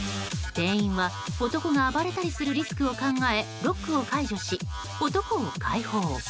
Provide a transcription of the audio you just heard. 店員は男が暴れたりするリスクを考えロックを解除し、男を解放。